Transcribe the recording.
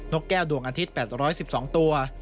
กแก้วดวงอาทิตย์๘๑๒ตัว